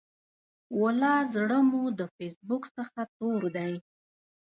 ولا زړه مو د فیسبوک څخه تور دی.